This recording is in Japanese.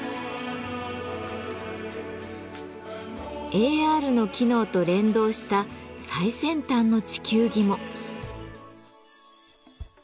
ＡＲの機能と連動した最先端の地球儀も。